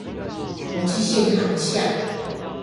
國際線航廈